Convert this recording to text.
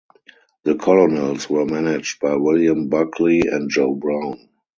The Colonels were managed by William Buckley and Joe Brown.